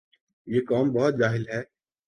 یہ قوم بہت جاہل ھے